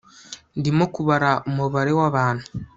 Ndimo kubara umubare wabantu